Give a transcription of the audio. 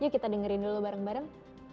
yuk kita dengerin dulu bareng bareng